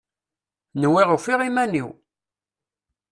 Nwiɣ ufiɣ iman-iw!